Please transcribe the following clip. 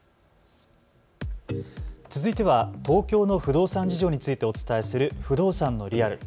続いては東京の不動産事情についてお伝えする不動産のリアル。